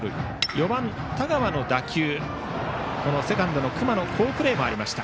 ４番、田川の打球はセカンドの隈の好プレーもありました。